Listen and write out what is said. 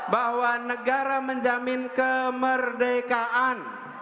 bahwa negara menjamin kemerdekaan